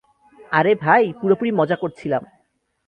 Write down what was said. আরে, ভাই, পুরোপুরি মজা করছিলাম।